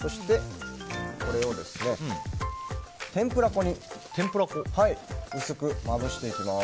そして、これを天ぷら粉に薄くまぶしていきます。